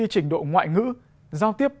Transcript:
trình độ ngoại ngữ giao tiếp